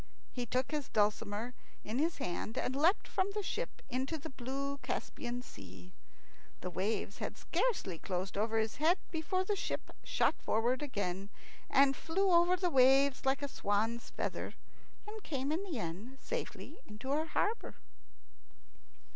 He took his dulcimer in his hand, and leapt from the ship into the blue Caspian Sea. The waves had scarcely closed over his head before the ship shot forward again, and flew over the waves like a swan's feather, and came in the end safely to her harbour.